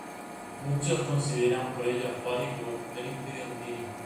Muchos consideran por ello a Huari como el primer imperio andino.